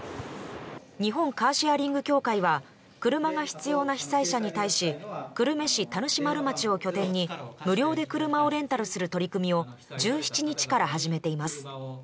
日本カーシェアリング協会は車が必要な被災者に対し久留米市田主丸町を拠点に無料で車をレンタルする取り組みを１７日から始めています。